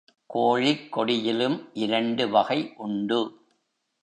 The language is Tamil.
கோழிக் கொடியிலும் இரண்டு வகை உண்டு.